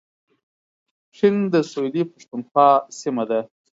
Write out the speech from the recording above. پښین د سویلي پښتونخوا سیمه ده